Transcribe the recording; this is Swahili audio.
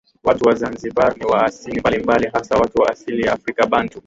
Watu wa Zanzibar ni wa asili mbalimbali hasa watu wa asili ya Afrika Bantu